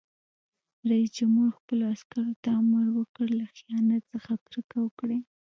رئیس جمهور خپلو عسکرو ته امر وکړ؛ له خیانت څخه کرکه وکړئ!